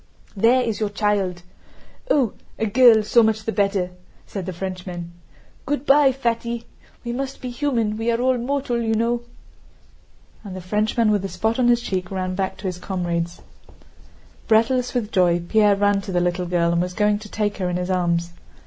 "There is your child! Oh, a girl, so much the better!" said the Frenchman. "Good by, Fatty. We must be human, we are all mortal you know!" and the Frenchman with the spot on his cheek ran back to his comrades. Breathless with joy, Pierre ran to the little girl and was going to take her in his arms.